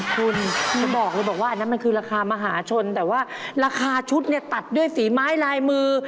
คุณจะบอกเลยบอกว่าอันนั้นมันคือราคามหาชนแต่ว่าราคาชุดเนี่ยตัดด้วยฝีไม้ลายมือ